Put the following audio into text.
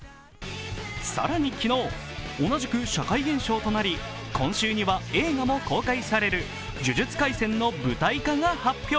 更に昨日、同じく社会現象となり、今週には映画も公開される「呪術廻戦」の舞台化が決定。